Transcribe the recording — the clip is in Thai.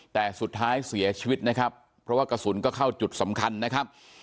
แต่สุดท้ายเสียชีวิตนะครับเพราะว่ากระสุนก็เข้าจุดสำคัญนะครับ